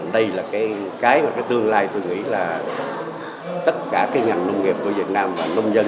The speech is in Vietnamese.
đây là cái mà cái tương lai tôi nghĩ là tất cả cái ngành nông nghiệp của việt nam và nông dân